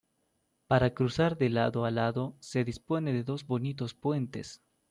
Para cruzar de lado a lado se dispone de dos bonitos puentes.